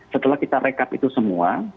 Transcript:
setelah kita rekap itu semua